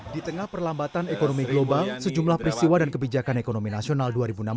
di tengah perlambatan ekonomi global sejumlah peristiwa dan kebijakan ekonomi nasional dua ribu enam belas